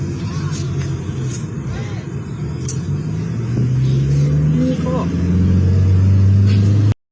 สวัสดีครับ